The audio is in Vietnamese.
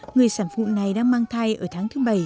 người sản phụ này đang mang thai ở tháng thứ bảy